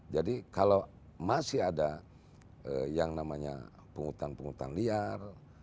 jadi kalau masih ada yang namanya penghutan penghutan liar